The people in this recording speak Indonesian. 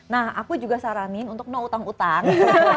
nah aku juga saranin untuk no utang utang